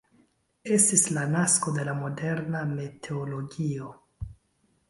Estis la nasko de la moderna meteologio.